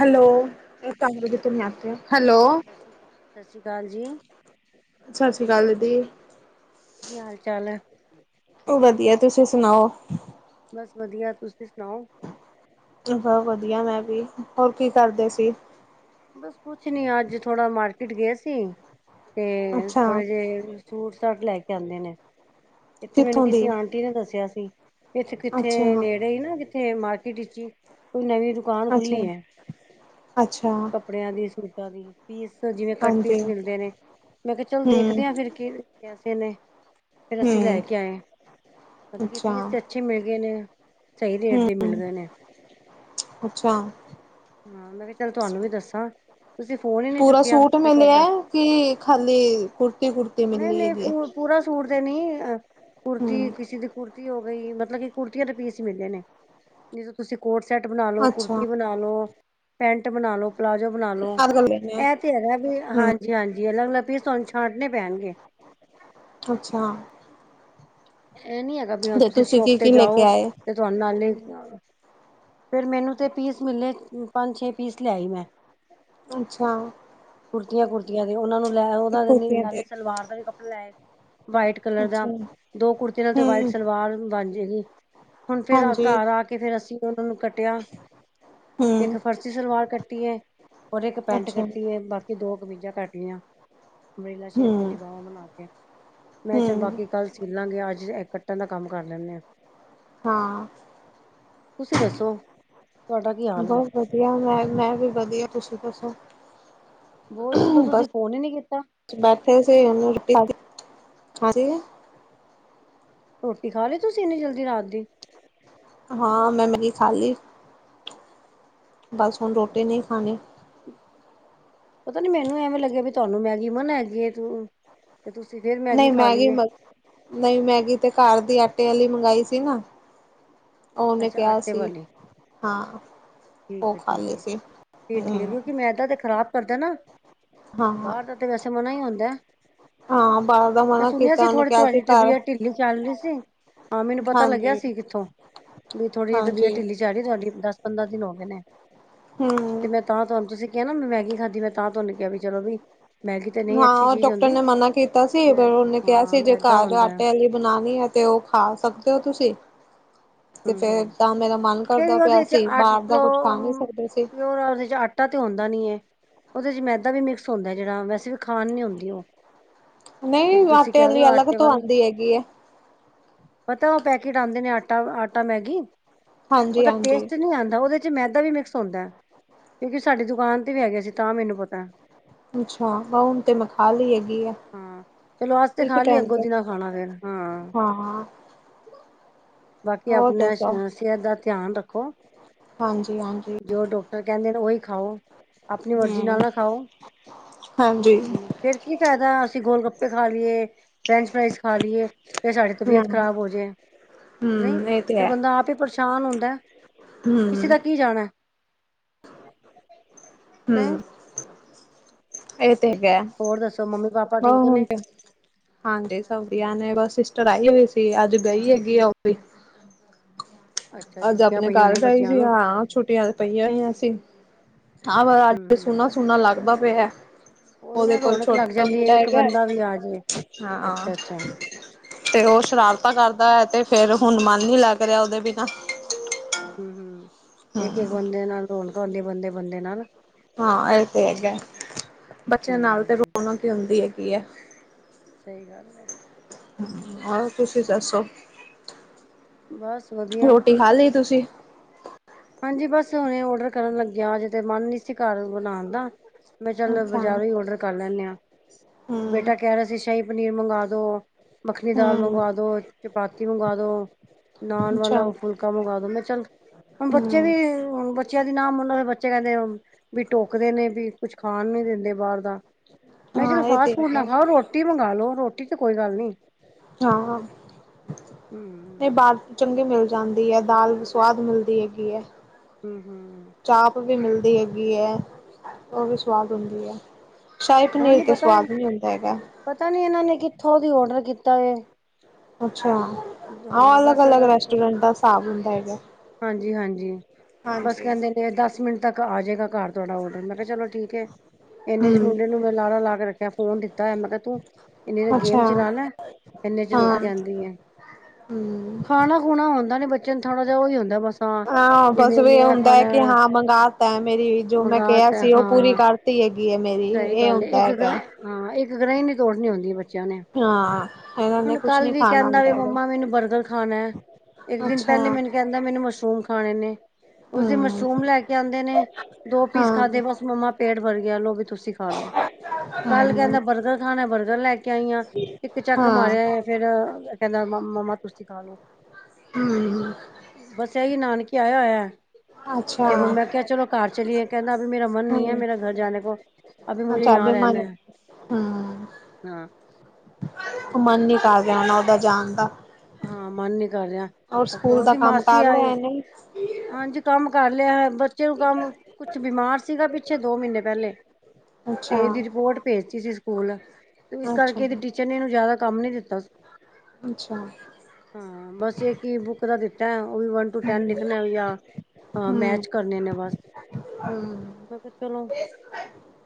Hello. Hello. ਸਸ ਸ੍ਰੀ ਕਾਲ ਜੀ। ਸਸ ਸ੍ਰੀ ਕਾਲ ਦੀਦੀ। ਕੀ ਹਾਲ-ਚਾਲ ਐ? ਭ ਵਧੀਐ। ਤੁਸੀ ਸੁਨਾਓ? ਬਸ ਵਧੀਆ। ਤੁਸੀ ਸੁਨਾਓ? ਜੀ ਬੋ ਵਧੀਆ ਮੈਂ ਵੀ। ਹੋਰ ਕੀ ਕਰਦੇ ਸੀ? ਬਸ ਕੁਛ ਨੀ ਅੱਜ ਥੋੜਾ ਮਾਰਕੀਟ ਗੇ ਸੀ ਤੇ ਅੱਛਾ ਥੋੜੇ ਜੇ ਸੂਟ-ਸਾਟ ਲੈ ਕੇ ਆਂਦੇ ਨੇ। ਇੱਥੇ ਮੈਨੂੰ ਕਿੱਥੋਂ ਦੀ ਕਿਸੀ ਆਂਟੀ ਨੇ ਦੱਸਿਆ ਸੀ, ਇੱਥੇ ਕਿੱਥੇ ਅੱਛਾ ਨੇੜੇ ਈ ਨਾ [unintelligible] ਮਾਰਕੀਟ ਇੱਚ ਕੋਈ ਨਵੀਂ ਦੁਕਾਨ ਅੱਛਾ ਖੁੱਲੀ ਏ, ਅੱਛਾ ਕੱਪ ੜਿਆਂ ਦੀ, ਸੂਟਾਂ ਦੀ, ਪੀਸ ਜਿਵੇਂ ਕੱਟ ਹਾਂਜੀ ਪੀਸ ਮਿਲਦੇ ਨੇ। ਮੈਂ ਕਿਆ ਚਲ ਹਮ ਦੇਖਦੇ ਆਂ ਫਿਰ ਕੀ ਕੈਸੇ ਨੇ। ਫੇਰ ਅਸੀ ਹਮ ਲੈ ਕੇ ਆਏ ਆਂ। ਮਤਲਬ ਕੀ ਅੱਛਾ ਪੀਸ ਤੇ ਅੱ ਛੇ ਮਿਲ ਗਏ ਨੇ। ਸ਼ਈ ਰੇਟ ਦੇ ਮਿਲ ਹਮ ਗੇ ਨੇ। ਅੱਛਾ। ਹਾਂ, ਮੈਂ ਕਿਆ ਚੱਲ ਤੁਆਨੂੰ ਵੀ ਦੱਸਾਂ। ਤੁਸੀ ਫੋਨ ਈ ਪੂਰਾ ਸੂਟ ਮਿਲਿਐ ਕਿ ਖਾਲੀ ਕੁੜਤੀ-ਕੁੜਤੀ ਨਹੀਂ ਮਿਲੀ ਨਹੀਂ ਹੈਗੀ ਐ। ਫੂ ਪੂਰਾ ਸੂਟ ਤੇ ਨੀ ਅ ਕੁਰਤੀ ਹਮ ਕਿਸੀ ਦੀ ਕੁਰਤੀ ਹੋ ਗਈ ਮਤਲਬ ਕਿ ਕੁਰਤੀਆਂ ਦੇ ਪੀਸ ਈ ਮਿਲੇ ਨੇ। ਜਿਸ ਤੋਂ ਤੁਸੀਂ ਕੋਟ ਸੈਟ ਬਨਾ ਲੋ, ਅੱਛਾ ਕੁੁਰਤੀ ਬਨਾ ਲੋ, ਪੈਂਟ ਬਨਾ ਲੋ ਪਲਾਜੋ ਬਨਾ ਲੋ। ਅਧ ਕਰ ਲੈਣੇ ਆ ਐ ਤੇ ਹੈਗਾ ਵੇ, ਹਮ ਹਾਂਜੀ-ਹਾਂਜੀ। ਅਲੱਗ-ਅਲੱਗ ਪੀਸ ਤੁਆਨੂੰ ਛਾਂਟਣੇ ਪੈਨਗੇ। ਅੱਛਾ। ਐ ਨੀ ਹੈਗਾ ਵੀ ਹਾਂ ਤੇ ਤੁਸੀ ਤੁਸੀਂ ਸ਼ੋਪ ਕੀ 'ਤੇ ਕੀ ਲੈ ਕੇ ਜਾਓ ਆਏ ਤੇ ਤੁਆਨੇ ਨਾਲੇ, ਫੇਰ ਮੈਨੂੰ ਤੇ ਪੀਸ ਮਿਲੇ ਪੰਜ-ਛੇ ਪੀਸ ਲੈ ਆਈ ਮੈਂ। ਅੱਛਾ। ਕੁਰਤੀਆਂ-ਕੁੁਰਤੀਆਂ ਦੇ। ਓਨਾਂ ਨੂੰ ਲੈ ਓਨਾਂ ਦੇ ਨੀ ਕੁੁਰਤੀਆਂ ਤੇ ਨਾਲੇ ਸਲਵਾਰ ਦਾ ਵੀ ਕੱਪੜਾ ਲੈ ਏ ਵਾਈਟ ਕਲਰ ਅੱਛਾ ਦਾ। ਦੋ ਕੁੜਤੀ ਨਾਲ ਤੇ ਵਾਈਟ ਹੂੰ ਸਲਵਾਰ ਬਨ ਜੇਗੀ। ਹੁਨ ਫੇਰ ਆ ਹਾਂਜੀ ਘਰ ਆ ਕੇ ਫੇਰ ਅਸੀ ਫੇਰ ਓਨਾਂ ਨੂੰ ਕੱਟਿਆ। ਇੱਕ ਹੂੰ ਫਰਸੀ ਸਲਵਾਰ ਕੱਟੀ ਏ ਔਰ ਇੱਕ ਪੈਂਟ ਅੱਛਾ ਕੱਟੀ ਏ, ਬਾ ਕੀ ਦੋ ਕਮੀਜਾਂ ਕੱਟ ਲਈਆਂ, ਅਮਰੇਲਾ ਸ਼ੇਪ ਹੂੰ ਵਾਲੀ ਬਾਵਾਂ ਬਨਾ ਕੇ। ਮੈਂ ਚਲ ਹੂੰ ਬਾਕੀ ਕੱਲ ਸਿੱਲਾਂਗੇ, ਅੱਜ ਐ ਕੱਟਨ ਦਾ ਕੰਮ ਕਰ ਲੈਨੇ ਆਂ। ਹਾਂ। ਤੁਸੀਂ ਦੱਸੋ ਤੁਹਾਡਾ ਕੀ ਹਾ ਬੱਸ ਵਧੀਆ ਮੈਂ-ਮੈਂ ਵੀ ਵਧੀਆ ਤੁਸੀਂ ਦੱਸੋ। ਬੋਤ ਦਿਨ ਤੋਂ ਬਸ ਤੁਸੀਂ ਫੋਨ ਈ ਨੀ ਕੀਤਾ। ਬੈਠੇ ਸੀ [unintelligible] ਰੋਟੀ ਖਾ ਲੀ ਤੁਸੀਂ ਇੰਨੀ ਜਲਦੀ ਰਾਤ ਦੀ ਹਾਂ ਮੈਂ ਮੇਗੀ ਖਾ ਲੀ। ਬਸ ਹੁਣ ਰੋਟੀ ਨਈ ਅੱਛਾ। ਖਾਣੀ। ਪਤਾ ਨੀ ਮੈਨੂੰ ਐਵੇਂ ਲੱਗਿਆ ਵੀ ਤੁਹਾਨੂੰ ਮੈਗੀ ਮਨ ਹੈਗੀਏ ਤੂੰ ਤੇ ਤੁਸੀਂ ਫਿਰ ਨਈ ਮੈਗੀ ਮ ਨਈ ਮੈਗੀ ਤੇ ਘਰ ਦੀ ਆਟੇ ਆਲੀ ਮੰਗਾਈ ਸੀ ਨਾ। ਉਨੇ ਅੱਛਾ ਕਿਆ ਆਟੇ ਸੀ ਵਾਲੀ ਹਾਂ। ਉਹ ਠੀਕ ਐ ਖਾ ਲਈ ਠੀਕ ਐ ਸੀ ਫਿਰ ਹੂੰ ਠੀਕ ਕਿਉਂਕਿ ਮੈਦਾ ਤੇ ਖ਼ਰਾਬ ਕਰਦਾ ਨਾ। ਹਾਂ ਬਾਰ ਦਾ ਤੇ ਵੈਸੇ ਮਨਾ ਈ ਹੁੰਦਾ। ਹਾਂ ਬਾਹਰ ਦਾ ਮੈਂ ਮਨਾ ਸੁਣਿਆ ਕੀਤਾ ਸੀ ਉਹਨੂੰ ਥੋੜੀ ਕਿਹਾ ਸੀ ਤੁਹਾਡੀ ਘਰ ਤਬੀਅਤ ਢਿੱਲੀ ਚੱਲ ਰਈ ਸੀ। ਹਾਂ ਮੈਨੂੰ ਪਤਾ ਲੱਗਿਆ ਹਾਂਜੀ ਸੀ ਕਿੱਥੋਂ ਵੀ ਥੋੜ੍ਹੀ ਤਬੀਅਤ ਹਾਂਜੀ ਢਿੱਲੀ ਜਾੜੀ ਤੁਹਾਡੀ ਦਸ ਪੰਦਰਾਂ ਦਿਨ ਹੋ ਗਏ ਨੇ ਹੂੰ ਤੇ ਮੈਂ ਤਾਂ ਤੁਹਾਨੂੰ ਤੁਸੀਂ ਕ ਮੈਂ ਮੈਗੀ ਖਾਧੀ ਮੈਂ ਤਾਂ ਤਹਾਨੂੰ ਕਿਆ ਵੀ ਚਲੋ ਵੀ ਮੈਗੀ ਤੇ ਨਹੀਂ ਅੱਛੀ ਹਾਂ ਚੀਜ਼ ਡਾਕਟਰ ਹੁੰਦੀ ਨੇ ਮਨਾ ਕੀਤਾ ਸੀ ਮੈਂ ਫਿਰ ਉਨੇ ਕਿਆ ਹਾਂ ਸੀ ਜੇ ਮੈਦਾ ਘਰ ਹੁੰਦਾ ਆਟੇ ਆਲੀ ਬਣਾਣੀ ਹੈ ਤੇ ਓ ਖਾ ਸਕਦੇ ਹੋ ਤੁਸੀਂ ਤੇ ਹੂੰ ਫੇਰ ਹੂੰ ਤਾਂ ਮੇਰਾ ਮਨ ਕਰਦਾ ਤੇ ਪਿਆ ਉਹਦੇ ਚ ਅਸੀਂ ਆਟ ਬਾਰ ਦਾ ਕੁਛ ਖਾ ਨਈ ਸਕਦੇ ਸੀ। ਪਿਓਰ ਉਹਦੇ ਚ ਆਟਾ ਤੇ ਆਂਦਾ ਨੀ ਹੈ ਉਦੇ ਚ ਮੈਦਾ ਵੀ ਮਿਕਸ ਹੁੰਦਾ ਜਿਹੜਾ ਵੈਸੇ ਵੀ ਖਾਣ ਨੀ ਹੁੰਦੀ ਓ ਨਹੀਂ ਜਿਹੜੀ ਤੁਸੀਂ ਆਟੇ ਕਿਆ ਵਾਲੀ ਨਾ ਅਲੱਗ ਆਟੇ ਤੋਂ ਵਾਲੀ ਆਉਂਦੀ ਹੈਗੀ ਹੈ ਪਤਾ ਓ ਪੈਕੇਟ ਆਂਦੇ ਨੇ ਆਟਾ-ਆਟਾ ਮੈਗੀ ਹਾਂਜੀ ਉਦਾ ਹਾਂਜੀ ਟੇਸਟ ਨਈ ਆਂਦਾ ਉਦੇ 'ਚ ਮੈਦਾ ਵੀ ਮਿਕਸ ਹੁੰਦਾ ਹੈ ਕਿਉਂਕਿ ਸਾਡੀ ਦੁਕਾਨ ਤੇ ਵੀ ਹੈਗੇ ਸੀ ਤਾਂ ਮੈਨੂੰ ਪਤਾ ਅੱਛਾ ਵ ਹੁਣ ਤੇ ਮੈਂ ਖਾ ਲਈ ਹੈਗੀ ਐ ਹਾਂ ਚਲੋ ਅੱਜ ਤੇ ਇਸ ਖਾ ਲਈ ਟੈਮ ਅੱਗੋਂ ਤੇ ਦੀ ਨਾ ਖਾਣਾ ਫੇਰ ਹਾਂ ਹਾਂ। ਬਾਕੀ ਹੋਰ ਆਪਣਾ ਦੱਸੋ ਸਿਹਤ ਦਾ ਧਿਆਨ ਰੱਖੋ ਹਾਂਜੀ ਹਾਂਜੀ ਜੋ ਡੋਕ ਟਰ ਕੈਂਦੇ ਨੇ ਉਹੀ ਖਾਓ ਆਪਣੀ ਮਰਜ਼ੀ ਹਮ ਨਾਲ ਨਾ ਖਾਓ ਹਾਂਜੀ ਵੀ ਫਿਰ ਕੀ ਕੈ ਦਾ ਅਸੀਂ ਗੋਲ ਗੱਪੇ ਖਾ ਲਈਏ। ਫਰੈਂਚ ਫਰੀਜ਼ ਖਾ ਲਈਏ ਫਿਰ ਸਾਡੀ ਤਬੀਅਤ ਹਮ ਖਰਾਬ ਹੋ ਜਾਏ ਨਈ ਹਮ ਇਹ ਤੇ ਫਿਰ ਹੈ ਬੰਦਾ ਆਪ ਹੀ ਪਰੇ ਸ਼ਾਨ ਹੁੰਦਾ ਕਿਸੇ ਹਮ ਦਾ ਕੀ ਜਾਣਾ। ਹੂੰ ਨਹੀਂ ਏ ਤੇ ਹੈਗਾ। ਹੋਰ ਦੱਸੋ ਮੰਮੀ ਪਾਪਾ ਹਾਂ ਠੀਕ ਹੁਣ ਨੇ ਤੇ ਹਾਂਜੀ ਸਭ ਵਧੀਆ ਨੇ ਬਸ ਸਿਸਟਰ ਆਈ ਹੋਈ ਸੀ ਅੱਜ ਗਈ ਹੈਗੀ ਓ ਵੀ ਅੱਛਾ ਅੱਜ ਛੁੱਟੀਆਂ ਆਪਣੇ ਪਈਆਂ ਘਰ ਹੋਣੀਆਂ ਦਾਈ ਬੱਚਿਆਂ ਸੀ ਨੂੰ ਹਾਂ ਛੁੱਟੀਆਂ ਤੇ ਪਈਆਂ ਹੋਈਆਂ ਸੀ। ਹਾਂ ਹੂੰ ਅੱਜ ਹੂੰ ਸੁਣਾ-ਸੁਣਾ ਲੱਗਦਾ ਪਿਆ। ਉਹੀ ਉਦੇ ਨਾ ਕੋਲ ਰੌਣਕ ਲੱਗ ਛੋਟਾ ਜਾਂਦੀ ਹੈ ਮੁੰਡਾ ਇੱਕ ਹੈਗਾ ਬੰਦਾ ਵੀ ਆ ਜੇ ਹਾਂ। ਅੱਛਾ ਅੱਛਾ ਤੇ ਓ ਸ਼ਰਾਰਤਾ ਕਰਦਾ ਐ ਤੇ ਫੇਰ ਹੁਣ ਮਨ ਨੀ ਲੱਗ ਰਿਆ ਉਦੇ ਬਿਨਾਂ ਹੂੰ ਹੂੰ ਇੱਕ-ਇੱਕ ਹਮ ਬੰਦੇ ਨਾਲ ਰੋਣਕ ਹੁੰਦੇ ਬੰਦੇ-ਬੰਦੇ ਨਾਲ ਹਾਂ ਏ ਤੇ ਹੈਗਾ ਬੱਚਿਆਂ ਨਾਲ ਤੇ ਹੂੰ ਰੌਣਕ ਹੁੰਦੀ ਹੈਗੀ ਐ। ਸਈ ਗੱਲ ਏ। ਹੋਰ ਤੁਸੀਂ ਦੱਸੋ। ਬਸ ਵਧੀਆ ਰੋਟੀ ਖਾ ਲਈ ਤੁਸੀ ਹਾਂਜੀ, ਬਸ ਹੁਨੇ ਓਡਰ ਕਰਨ ਲੱਗੇਆ, ਅਜ ਤੇ ਮਨ ਨੀ ਸੀ, ਘਰ ਬਨਾਨ ਦਾ। ਮੈਂ ਚੱਲ ਅੱਛਾ ਹਮ ਬਾਜ਼ਾਰੋਂ ਹੀ ਓਡਰ ਕਰ ਲੈਂਨੇ ਆਂ ਬੇਟਾ ਕੇਅ ਰੇਆ ਸੀ, ਸ਼ਾਹੀ ਪਨੀਰ ਮੰਗਾ ਦੋ। ਮੱਖਨੀ ਦਾਲ ਹਮ ਮੰਗਵਾ ਦੋ ਚਪਾਤੀ ਮੰਗਾ ਦੋ। ਨਾਨ ਅੱਛਾ ਵਾਲਾ ਫੁਲਕਾ ਮੰਗਾ ਦੋ, ਮੈਂ ਚੱਲ ਹੁਨ ਬੱਚੇ ਵੀ ਹਮ ਹੁਨ ਬਚ ਬੱਚੇਆਂ ਦੀ ਨਾ ਮਨੋ, ਤੇ ਬੱਚੇ ਕਹਿੰਦੇ ਆ ਬੀ ਟੋਕਦੇ ਨੇ, ਬੀ ਕੁਛ ਖਾਨ ਨੂੰ ਨੀ ਦਿੰਦੇ ਬਾਹਰ ਦਾ। ਮੈਂ ਚਲੋ ਹਾਂ ਇਹ ਫਾਸਟ ਤੇ ਫੂਡ ਨਾ ਹੈਗਾ ਖਾਓ, ਰੋਟੀ ਮੰਗਾ ਲੋ, ਰੋਟੀ ਤੇ ਕੋਈ ਗੱਲ ਨੀ। ਹਾਂ, ਹਾਂ [inaudible] ਨਈ ਬਾਤ ਚੰਗੀ ਮਿਲ ਜਾਂਦੀ ਏ, ਦਾਲ ਵੀ ਸੁਵਾਦ ਮਿਲਦੀ ਹੈਗੀ ਏ। ਹੂੰ, ਹੂੰ ਚਾਪ ਵੀ ਮਿਲਦੀ ਹੈਗੀ ਐ, ਓ ਵੀ ਸਵਾਦ ਹੁੰਦੀ ਏ। ਸ਼ਾਹੀ ਪਨੀਰ ਤੇ ਸਵਾਦ ਨੀਂ ਹੁੰਦਾ ਹੈਗਾ। ਪਤਾਂ ਨੀਂ ਇਨਾਂ ਨੇਂ, ਕਿੱਥੋਂ ਦੀ ਔਡਰ ਕੀਤਾਂ ਏ। ਅੱਛਾ, ਆ ਹਾਂ ਬਸ ਅਲੱਗ-ਅਲੱਗ ਰੈਸਟੋਰੈਂਟਾ ਦਾ ਸਾਬ ਹੁੰਦਾ ਹੈਗਾ। ਹਾਂਜੀ- ਹਾਂਜੀ, ਬਸ ਹਾਂਜੀ। ਕਹਿੰਦੇ ਨੇਂ ਦਸ ਮਿੰਟ ਤੱਕ ਕ ਆਜੇਗਾ, ਘਰ ਤੁਹਾਡਾ ਔਡਰ, ਮੈਂ ਕੇਆ ਚਲੋਂ ਠੀਕ ਏ। ਇੰਨੇ ਚ ਹਮ ਮੁੰਡੇ ਨੂੰ ਮੈਂ ਲਾਰਾ ਲਾ ਕੇ ਰੱਖੇਆਂ, ਫ਼ੋਨ ਦਿੱਤਾਂ ਐਂ, ਮੈਂ ਕੇਆ ਤੂੰ ਏਨੀਂ ਦੇਰ ਅੱਛਾ ਗੇਮ ਚਲਾ ਹਾਂ ਲੈ। ਏਨੇ ਚ ਰੋਟੀ ਆਂਦੀ ਐ। ਹੂੰ ਖਾਨਾ ਖੁਨਾ ਹੁੰਦਾਂ ਨੀਂ, ਬੱਚੇਆਂ ਨੂੰ ਥੋੜ੍ਹਾ ਜੇਆ ਉਹੀ ਹੁੰਦਾਂ ਬਸ। ਹਾਂ, ਵੀ ਬਸ ਵੇ ਏ ਮੈਨੇ ਇਹ ਹੁੰਦਾ ਏ ਖਾਣਾ ਕਿ, ਹਾਂ ਮੰਗਾ ਤਾ ਮੇਰੀ ਜੋ ਮੈਂ ਮੰਗਾ ਕੇਆ ਤਾ ਸੀ, ਓ ਹਾਂ ਪੂਰੀ ਕਰ ਤੀ ਹੈਗੀ ਏ, ਮੇਰੀ ਸਹੀ ਏ ਗੱਲ ਹੁੰਦਾਂ ਇੱਕ ਹੈਗਾ। ਗ੍ਰਹਿ ਹਾਂ, ਏਕ ਗਰਾਈਂ ਨੀਂ ਤੋੜਨੀ ਹੁੰਦੀਂ ਦੀ ਬੱਚ ਚੇਆਂ ਨੇ, ਹਾਂ ਇਹਨਾਂ ਨੇ ਹੁਨ ਕੁਛ ਕੱਲ੍ਹ ਨੀ ਵੀ ਖਾਣਾ ਕਹਿੰਦਾਂ ਵਈ ਹੁੰਦਾ ਮੰਮਾ ਹੈਗਾ ਮੈਂਨੂੰ ਬਰਗਰ ਖਾਨਾ ਐਂ। ਇੱਕ ਦਿਨ ਅੱਛਾ ਪਹਿਲੇ ਮੈਂਨੂੰ ਕਹਿੰਦਾਂ, ਮੈਂਨੂੰ ਮਸ਼ਰੂਮ ਖਾਨੇ ਨੇਂ, ਉਸ ਦਿਨ ਹਮ। ਮਸ਼ਰੂਮ ਲ਼ੈ ਕੇ ਆਂਦੇ ਨੇਂ। ਦੋ ਪੀਸ ਹਾਂ, ਖਾਂਦੇ, ਬਸ ਮੰਮਾ ਪੇਂਟ ਬਰ ਗੇਆਂ ਲੋ ਵੀ ਤੁਸੀਂ ਖਾਂ ਲੋ। ਹਾਂ, ਕੱਲ੍ਹ ਕਹਿੰਦਾਂ ਬਰਗਰ ਖਾਨਾ, ਬਰਗਰ ਲ਼ੈ ਕੇ ਆਈਂ ਆ। ਇੱਕ ਚੱਕ ਹਾਂ, ਮਾਰੇਆਂ, ਫੇਰ ਕਹਿੰਦਾਂ ਮੰਮਾ ਤੁਸੀਂ ਖਾਂ ਲੋ। ਹੂੰ-ਹੂੰ ਬਸ ਏਹੀ ਨਾਨਕੇ ਆਏਆਂ ਹੋਏਆਂ। ਅੱਛਾ। ਤੇ ਹੁਨ ਮੈਂ ਕੇਆ ਚਲੋਂ ਘਰ ਚਲੀਏ, ਕਹਿੰਦਾ ਅਬੀ ਮੇਰਾ ਮਨ ਨਈ ਹੂੰ, ਮੇਰਾ ਘਰ ਜਾਨੇ ਕੋ। ਅਬੀ ਮੁਜੇ ਯਹਾਂ ਰਹਿਨਾ ਐ। ਹਾਂ। ਹਾਂ। ਓ ਮਨ ਨੀਂ ਕਰ ਰੇਆ, ਓਦਾਂ ਜਾਨ ਦਾ। ਹਾਂ, ਮਨ ਨੀਂ ਕਰ ਰੇਆ, ਔਰ ਸਕੂਲ ਦਾ ਉਦੀ ਕੰਮ ਮਾਸੀ ਕਰ ਲਿਆ ਆਈਂ। ਇਹਨੇ? ਹਾਂਜੀ, ਕੰਮ ਕਰ ਲੇਆ, ਬ ਬੱਚੇ ਨੂੰ ਕੰਮ ਕੁੱਛ ਬਿਮਾਰ ਸੀਗਾ, ਪਿੱਛੇ ਦੋ ਮਹੀਨੇਂ ਪਹਿਲੇ। ਅੱਛਾ, ਤੇ ਇਦੀ ਰਿਪੋਰਟ ਭੇਜਤੀ ਸੀਂ, ਸਕੂਲ ਤੇ, ਇਸ ਅੱਛਾ, ਕਰਕੇ ਇਦੀ ਟੀਚਰ ਨੇਂ ਇਨੂੰ ਜੇਆਦਾ ਕੰਮ ਨੀਂ ਦਿੱਤਾਂ ਸੀ। ਅੱਛਾ। ਹਾਂ, ਬਸ ਏਕ ਈ ਬੁੱਕ ਦਾ ਦਿੱਤਾਂ, ਓ ਵੀ ਵਨ ਟੂ ਟੈਨ ਹੂੰ, ਲਿਖਨਾ ਵੀ ਜਾਂ। ਹਾਂ, ਹੂੰ, ਮੈਚ ਕਰਨੇਂ ਨੇਂ ਬਸ। [unintelligible] ਮੈਂ ਕੇਆ, ਚਲੋਂ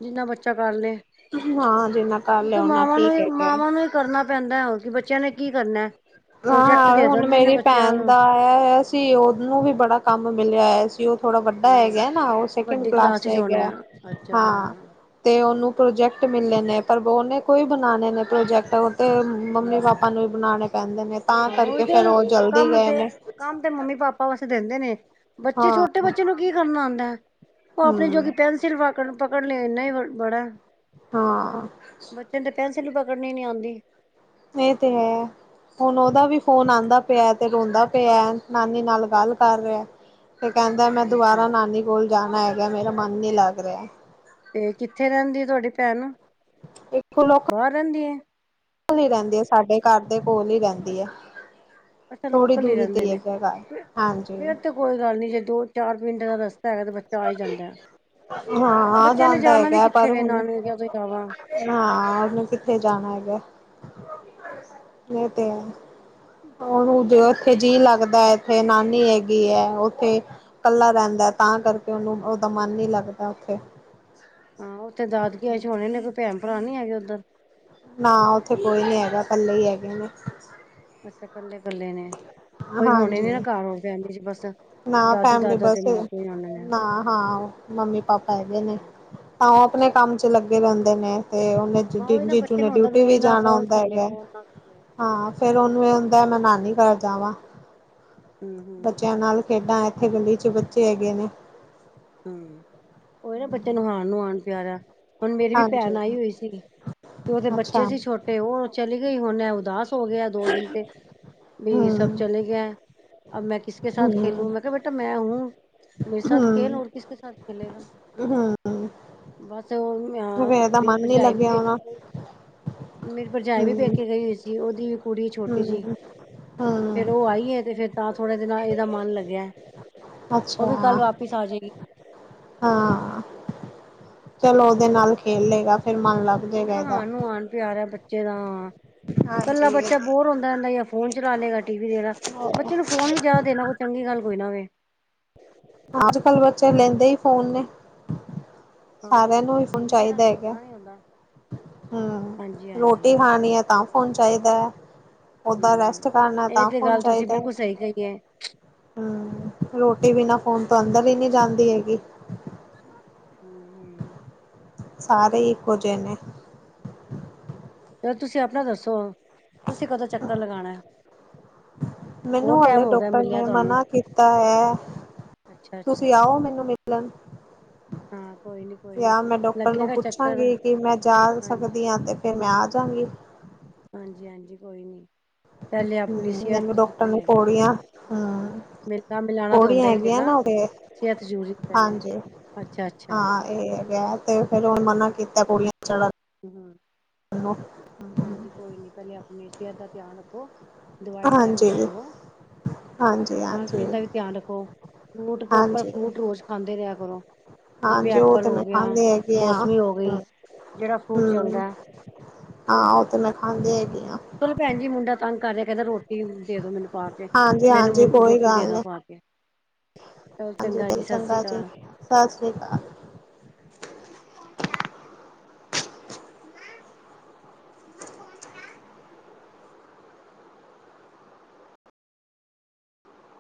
ਜਿੰਨਾਂ ਬੱਚਾ ਕਰ ਲੇਂ। ਹਾਂ, ਜਿੰਨਾਂ ਕਰ ਓਤੇ ਲਿਆ ਓਨਾ ਮਾਵਾਂ ਠੀਕ ਨੇ, ਹੈਗਾ। ਮਾਵਾਂ ਨੇ ਕਰਨਾਂ ਪੈਂਦਾ ਹੋਰ ਕੀ ਬੱਚਿਆਂ ਨੇ ਕੀ ਕਰਨਾਂ ਐਂ। ਗਾਅ ਹੁਣ ਮੇਰੀ ਭੈਣ ਦਾ ਆਇਆਂ ਹੋਇਆਂ ਸ ਤੇ ਉਹਨੂੰ ਵੀ ਬੜਾਂ ਕੰਮ ਮਿਲਿਆਂ ਹੋਇਆਂ ਸੀਂ। ਥੋੜਾਂ ਵੱਡਾ ਹੂੰ ਹੈਗਾ ਨਾ, ਉਹ ਸੈਕਿੰਡ ਕਲਾਸ ਚ ਹੈਗਾ, ਹਾਂ। ਤੇ ਉਹਨੂੰ ਪ੍ਰੋਜੈਕਟ ਮਿਲ਼ੇ ਨੇਂ, ਪਰ ਬੋਹਨੇਂ ਕੋਈ ਬਣਾਣੇ ਨੇਂ ਪ੍ਰੋਜੈਕਟ ਉਹ ਤੇ। ਹਾਂ ਮੰਮੀ-ਪਾਪਾਂ ਨੂੰ ਈ ਬਣਾਣੇ ਪੈਂਦੇ ਨੇਂ, ਤਾਂ ਹਾਂ ਉਹੀ ਕਰਕੇ ਤੇ ਫ਼ਿਰ ਉਹ ਜਲਦੀ ਕੰਮ ਗਏ ਤੇ ਨੇਂ। ਕੰਮ ਤੇ ਮੰਮ- ਪਾਪਾਂ ਵਾਸਤੇ ਦੇਦੇਂ ਨੇਂ, ਬੱਚੇ ਹਾਂ ਛੋਟੇ ਬੱਚੇ ਨੂੰ ਕੀ ਕਰਨਾਂ ਆਂਦਾ ਐਂ। ਉਹ ਆਪਣੇਂ ਜੋਗੀ ਹੂੰ ਪੈਨਸਿਲ ਪਕੜ-ਪਕੜ ਲੇ ਏਨਾਂ ਈ ਬੜਾਂ ਐਂ। ਹਾਂ। ਬੱਚੇ ਨੂੰ ਤੇ ਪੈਨਸਿਲ ਪਕੜਨੀ ਨੀਂ ਆਂਦੀ। ਏ ਤੇ ਹੈਂ। ਹੁਣ ਉਹਦਾ ਵੀ ਫ਼ੋਨ ਆਂਦਾ ਪਿਆ, ਤੇ ਰੋਂਦਾ ਪਿਆ, ਨਾਨੀ ਨਾਲ਼ ਗੱਲ਼ ਕਰ ਰਿਆ। ਤੇ ਕਹਿੰਦਾਂ ਮੈਂ ਦੁਬਾਰਾ ਅੱਛਾ ਨਾਨੀ ਕੋਲ਼ ਜਾਣਾਂ ਹੈਗਾ, ਮੇਰਾ ਮਨ ਨੀਂ ਲੱਗ ਰਿਹਾਂ। ਤੇ ਕਿੱਥੇ ਰਹਿੰਦੀ ਹੈਂ, ਤੁਹਾਡੀ ਭੈਣ ਦੇਖੋ ਲੋਕ ਬਾਹਰ ਰਹਿੰਦੀ ਐ? [unintelligible] ਰਹਿੰਦੀ ਐ ਸਾਡੇ। ਘਰ ਦੇ ਕੋਲ਼ ਹੀ ਰਹਿੰਦੀ ਐ, ਅੱਛਾ ਥੋੜ੍ਹੀ ਲੋਕਲ ਹੀ ਦੂਰੀ ਤੇ ਰਹਿੰਦੇ ਈ ਆ ਨੇ ਏਦਾ ਘਰ ਹਾਂਜੀ। ਫੇਰ ਤੇ ਕੋਈ ਗੱਲ ਨੀ ਜੇ ਦੋ-ਚਾਰ ਮਿੰਟ ਦਾ ਰਸਤਾ ਹੈਗਾ ਤਾਂ ਬੱਚਾ ਆ ਹੀ ਜਾਂਦਾ। ਹਾਂ ਆ ਬੱਚਿਆਂ ਨੇ ਜਾਂਦਾ ਜਾਣਾ ਵੀ ਕਿੱਥੇ ਵੇ ਨਾਨਕਿਆ ਤੋਂ ਇਲਾਵਾ। ਹਾ ਉਹਨੂੰ ਕਿੱਥੇ ਜਾਣਾ ਹੈਗਾ, ਏਹ ਤੇ ਐ। ਉਹਨੂੰ ਉੱਥੇ ਜੀਅ ਲੱਗਦਾ ਇੱਥੇ ਨਾਨੀ ਹੈਗੀ ਹੈ ਉੱਥੇ ਕੱਲਾ ਰਹਿੰਦਾ ਤਾਂ ਕਰਕੇ ਉਹਨੂੰ ਉਹਦਾ ਮਨ ਨੀ ਲੱਗਦਾ ਉੱਥੇ। ਹਾਂ ਉੱਥੇ ਦਾਦਕੀਆਂ ਚ ਹੋਣੇ ਨੇ, ਕੋਈ ਭੈਣ-ਭਰਾ ਨੀ ਹੈਗੇ ਉੱਧਰ? ਨਾ ਉੱਥੇ ਕੋਈ ਨੀ ਹੈਗਾ ਕੱਲੇ ਹੀ ਹੈਗੇ ਨੇ। ਅੱਛਾ ਕੱਲੇ- ਕੱਲੇ ਨੇ, ਕੋਈ ਹੁਣੇ ਨੀ ਹਾਂਜੀ ਘਰ ਹੋਰ ਫੈਮਲੀ ਚ ਬਸ? ਨਾ ਦਾਦੀ ਫੈਮਲੀ ਦਾਦਾ ਤੇ ਬੱਸ ਮਾਂ ਪਿਓ ਹੀ ਆਉਣੇ ਨੇ। ਨਾ ਹਾਂ ਮੰਮੀ- ਪਾਪਾ ਹੈਗੇ ਨੇ। ਤਾਂ ਉਹ ਆਪਣੇ ਕੰਮ ਚ ਲੱਗੇ ਰਹਿੰਦੇ ਨੇ ਤੇ ਉਹਨੇ ਹਾਂ ਉਹੀ ਨਾ ਜੀਜੂ ਬੱਚੇ ਨੇ ਨੂੰ ਹੁੰਦਾ ਡਿਊਟੀ ਮੇਰੇ ਵੀ ਨਾਲ ਜਾਣਾ ਕੌਣ ਹੁੰਦਾ ਖੇਲੇ ਹੈਗਾ, ਕੌਣ ਨਾ ਖੇਲੇ ਹਾਂ ਫੇਰ ਉਹਨੂੰ ਇਹ ਹੁੰਦਾ ਮੈਂ ਹਾਂਜੀ। ਨਾਨੀ ਘਰ ਜਾਵਾਂ। ਹੂੰ ਹੂੰ ਬੱਚਿਆਂ ਨਾਲ ਖੇਡਾਂ ਇੱਥੇ ਗਲੀ ਚ ਬੱਚੇ ਹੈਗੇ ਨੇ। ਹਮ ਉਹ ਨਾ ਬੱਚਿਆਂ ਨੂੰ ਹਾਣ ਨੂੰ ਹਾਣ ਪਿਆਰਾ। ਹੁਣ ਮੇਰੀ ਵੀ ਭੈਣ ਹਾਂਜੀ ਆਈ ਹੋਈ ਸੀ, ਤੇ ਉਹਦੇ ਅੱਛਾ ਬੱਚੇ ਸੀ ਛੋਟੇ ਉਹ ਚਲੀ ਗਈ ਹੁਣ ਏ ਉਦਾਸ ਹੋ ਗਿਆ ਦੋ ਦਿਨ ਤੇ, ਵੀ ਸਭ ਹਮ ਚਲੇ ਗੇ ਐ। ਅਬ ਮੈਂ ਕਿਸ ਕੇ ਸਾਥ ਹਮ ਖੇਲੂੰ ਮੈਂ ਕਿਹਾ ਬੇਟਾ ਮੈਂ ਹੂੰ ਮੇਰੇ ਸਾਥ ਖੇਲ ਔਰ ਕਿਸ ਕੇ ਸਾਥ ਖੇਲੇਗਾ। ਹੂੰ ਬਸ ਉਹੀਆ ਮੇਰੀ ਨੀ ਭਰਜਾਈ ਵੀ ਲੱਗਿਆ ਪੇਕੇ ਹੋਣਾ ਗੇ ਹੋਏ ਸੀ। ਮੇਰੀ ਭਰਜਾਈ ਵੀ ਹਮ ਪੇਕੇ ਗਈ ਹੋਈ ਸੀ ਉਹਦੀ ਕੁੜੀ ਛੋਟੀ ਸੀ। ਹਮ ਹਮ ਉਹ ਆਈ ਐ ਤੇ ਫੇਰ ਤਾਂ ਥੋੜਾ ਇਦ- ਇਹਦਾ ਮਨ ਲੱਗਿਆ ਉਹ ਅੱਛਾ ਵੀ ਕੱਲ ਵਾਪਿਸ ਆ ਜਾਏ ਗੀ। ਹਾਂ, ਚਲੋ ਉਹਦੇ ਨਾਲ ਖੇਲੇਗਾ ਫੇਰ ਮੰਨ ਲੱਗ ਉਹ ਜਾਏਗਾ ਨਾ ਇਹਦਾ ਹਾਣ ਨੂੰ ਹਾਣ ਪਿਆਰਾ ਬੱਚੇ ਦਾ ਹਾ। ਹਾਂਜੀ ਕੱਲਾ ਇਹ ਬੱਚਾ ਤੇ ਬੋਰ ਹੁੰਦਾ ਰਹਿੰਦਾ ਯਾਂ ਫੋਨ ਚਲਾ ਲਏਗਾ ਟੀ ਵੀ ਦੇਖ ਗਾ, ਹੈ। ਬੱਚੇ ਨੂੰ ਫੋਨ ਵੀ ਜ਼ਿਆਦਾ ਦੇਣਾ ਚੰਗੀ ਗੱਲ ਕੋਈ ਨਾ ਵੇ। ਅੱ- ਕੱਲ ਬੱਚੇ ਲੈਂਦੇ ਈ ਫੋਨ ਨੇ। ਸਾਰਿਆਂ ਨੂੰ ਹੀ ਹਸੀ ਫੋਨ ਵੀ ਚਾਹੀਦਾ ਜਾਣ ਗੇ ਹੈਗਾ। [unintelligible] ਨੀ ਆਦਾ। ਹੂੰ ਰੋਟੀ ਖਾਣੀ ਐ ਤਾਂ ਫੋਨ ਚਾਈਦੈ। ਓਦਾਂ ਰੈਸਟ ਹਮ ਕਰਨਾ ਇਹ ਤਾਂ ਤੇ ਫੋਨ ਗੱਲ ਤੁਸੀਂ ਚਾਈਦੈ। ਬਿਲਕੁਲ ਸਹੀ ਕਹੀ ਹੈ ਹਮ ਰੋਟੀ ਬਿਨਾਂ ਫੋਨ ਤੋਂ ਅੰਦਰ ਹੀ ਨਈ ਜਾਂਦੀ ਹੈਗੀ। ਹਮ। ਹਮ ਸਾਰੇ ਇੱਕੋ ਜੇ ਨੇ। ਚਲੋ ਤੁਸੀਂ ਆਪਣਾ ਦੱਸੋ? ਤੁਸੀਂ ਕਦੋਂ ਚੱਕਰ ਲਗਾਣੈ? ਮੈਨੂੰ ਹਲੇ ਡਾਕਟਰ ਨੇ ਤੁਹਾਨੂੰ ਮਨਾ ਕੀਤਾ ਹੋਇਐ। ਅੱਛਾ ਅੱਛਾ ਤੁਸੀਂ ਆਓ ਮੈਨੂੰ ਮਿਲਣ। ਹਾਂ ਕੋਈ ਨੀ ਕੋਈ ਨੀ ਯਾ ਮੈਂ ਡਾਕਟਰ ਨੂੰ ਲੱਗੇਗਾ ਚੱਕਰ ਪੁੱਛਾਂਗੀ, ਕਿ ਮੈਂ ਜਾ ਹਾਂਜੀ ਸਕਦੀ ਹਾਂ ਤੇ। ਫੇਰ ਮੈਂ ਆ ਜਾਂਗੀ। ਹਾਂਜੀ ਹਾਂਜੀ ਕੋਈ ਨੀ ਪੈਲੇ ਹੂੰ ਆਪਣੀ ਸਿਹਤ ਮੈਨੂੰ ਡਾਕਟਰ ਜ਼ਰੂਰੀ ਨੇ ਹੈਗੀ ਏ। ਪੌੜੀਆਂ ਹੂੰ ਮਿਲਣਾ ਮਿਲਾਣਾ ਤੇ ਹੁੰਦਾ ਪੌੜੀਆਂ ਈ ਹੈਗੀਆਂ ਰਹੇਗਾ ਨਾ ਉਹਦੇ ਸਿਹਤ ਜ਼ਰੂਰੀ ਪੈਲੇ। ਹਾਂਜੀ ਹਾਂ ਇਹ ਹੈਗਾ ਤੇ ਫੇਰ ਹੁਣ ਮਨਾ ਕੀਤੈ ਬੋਲਣ। ਹਮ ਹਾਂਜੀ ਕੋਈ ਨੀ ਪੈਲੇ ਆਪਣੀ ਸਿਹਤ ਦਾ ਧਿਆਨ ਰੱਖੋ। ਦਵਾਈ ਟੈਮ ਹਾਂਜੀ ਤੇ ਲਵੋ। ਆਪਣੇ ਹਾਂਜੀ ਖਾਣ ਹਾਂਜੀ ਪੀਣ ਦਾ ਵੀ ਧਿਆਨ ਰੱਖੋ, ਫਰੂਟ ਪ੍ਰੋਪਰ ਹਾਂਜੀ ਫਰੂਟ ਰੋਜ਼ ਖਾਂਦੇ ਰਿਹਾ ਕਰੋ। ਜਿਵੇਂ ਹਾਂਜੀ ਉਹ ਐਪਲ ਤੇ ਹੋ ਮੈਂ ਗਿਆ ਖਾਂਦੀ ਹੈਗੀ ਆ। ਮੌਸਮੀ ਹੋ ਗਈ ਜਿਹੜਾ ਫਰੂਟ ਹਮ, ਚੱਲਦਾ ਹਾਂ ਉਹ ਤੇ ਮੈਂ ਖਾਂਦੀ ਹੈਗੀ ਆਂ। ਚਲੋ, ਭੈਣੀ ਜੀ ਮੁੰਡਾ ਤੰਗ ਕਰ ਰਿਹਾ ਕਹਿੰਦਾ ਰੋਟੀ। ਰੋਟੀ ਦੇ ਦੋ ਮੈਨੂੰ ਪਾ ਕੇ, ਹਾਂਜੀ ਮੈ ਹਾਂਜੀ ਇਹਨੂੰ ਕੋਈ ਰੋਟੀ ਦੇ ਗੱਲ ਦਾ ਨਹੀਂ ਪਾ ਕੇ। ਚਲੋ ਹਾਂਜੀ, ਜੀ ਚਲ ਸਤਿ ਸ੍ਰੀ ਚੰਗਾ ਜੀ, ਅਕਾਲ ਸਤ ਸ੍ਰੀ ਅਕਾਲ। ਹੋਟ ਆ। [unintelligible] [inaudible] ਨਾ ਨਾਣ [unintelligible]